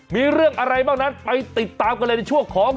มีเรื่องอะไรบ้างนั้นไปติดตามกันเลยในช่วงของ